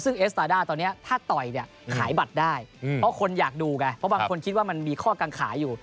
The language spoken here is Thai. ซึ่งเอสตาด้าตอนนี้ถ้าต่อยเนี่ยขายบัตรได้เพราะคนอยากดูไงเพราะบางคนคิดว่ามันมีข้อกังขาอยู่